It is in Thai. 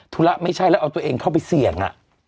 ธุระไม่ใช่แล้วเอาตัวเองเข้าไปเสี่ยง